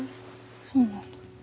そうなんだ。